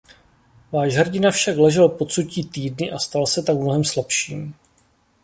Váš hrdina však ležel pod sutí týdny a stal se tak mnohem slabším.